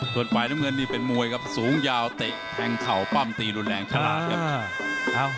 ส่วนฝ่ายน้ำเงินนี่เป็นมวยครับสูงยาวเตะแทงเข่าปั้มตีรุนแรงฉลาดครับ